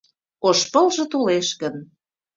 Ош пылже толеш гын